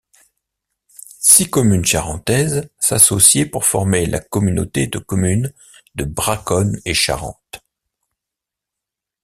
Six communes charentaises s’associaient pour former la communauté de communes de Braconne et Charente.